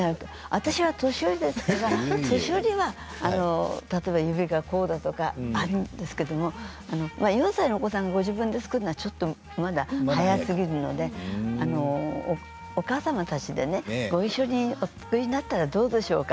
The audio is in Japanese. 私は年寄りですから年寄りは指がこうだとかあるんですけれど４歳のお子さんがご自分で作るのはまだ早すぎるのでお母様たちでねごいっしょにお作りになったらどうでしょうか。